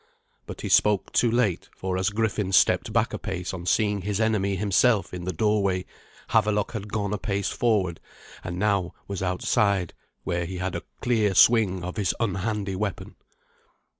But he spoke too late, for as Griffin stepped back a pace on seeing his enemy himself in the doorway, Havelok had gone a pace forward, and now was outside, where he had a clear swing of his unhandy weapon.